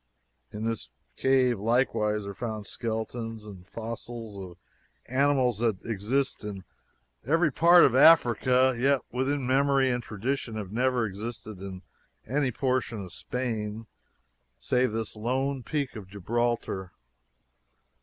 In this cave likewise are found skeletons and fossils of animals that exist in every part of Africa, yet within memory and tradition have never existed in any portion of Spain save this lone peak of Gibraltar!